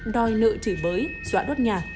đòi nợ trỉ bới dọa đốt nhà